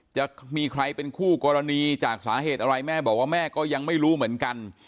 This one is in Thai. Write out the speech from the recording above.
จะมีใครเป็นคู่กรณีจากสาเหตุอะไรแม่บอกว่าแม่ก็ยังไม่รู้เหมือนกัน